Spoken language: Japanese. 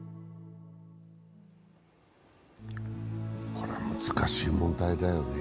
これ難しい問題だよね。